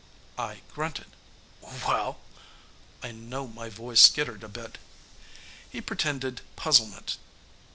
I grunted. "Well?" I know my voice skittered a bit. He pretended puzzlement.